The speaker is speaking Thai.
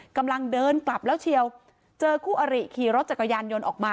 กำลังเดินกลับแล้วเชียวเจอคู่อริขี่รถจักรยานยนต์ออกมา